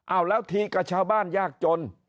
เอาแล้วทีกับชาวบ้านยากจน